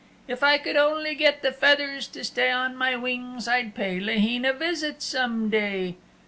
If I could only get the feathers to stay on my wings I'd pay Laheen a visit some day.